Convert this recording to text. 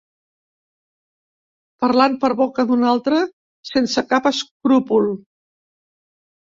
Parlant per boca d'un altre sense cap escrúpol.